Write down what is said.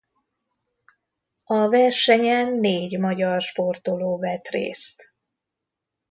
A versenyen négy magyar sportoló vett részt.